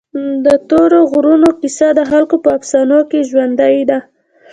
د تورې غرونو کیسه د خلکو په افسانو کې ژوندۍ ده.